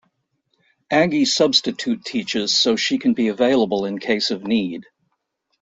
Aggie substitute teaches so she can be available in case of need.